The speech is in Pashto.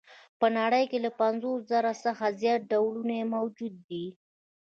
په نړۍ کې له پنځوس زره څخه زیات ډولونه یې موجود دي.